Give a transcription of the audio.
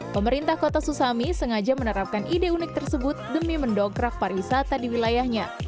pemerintah kota susami sengaja menerapkan ide unik tersebut demi mendongkrak pariwisata di wilayahnya